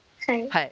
はい。